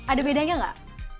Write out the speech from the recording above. ada bedanya gak